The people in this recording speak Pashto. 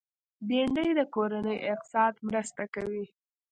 بېنډۍ د کورني اقتصاد مرسته کوي